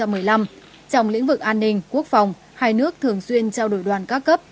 trong lĩnh vực an ninh quốc phòng hai nước thường xuyên trao đổi đoàn các cấp